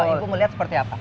ibu mau lihat seperti apa